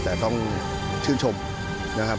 แต่ต้องชื่นชมนะครับ